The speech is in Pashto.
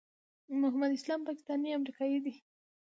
محمد اسلام پاکستانی امریکایی دی.